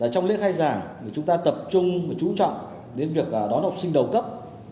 trong lễ khai giảng chúng ta tập trung và chú trọng đến việc đón học sinh đầu cấp